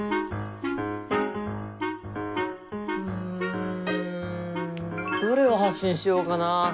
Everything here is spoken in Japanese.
うんどれを発信しようかな？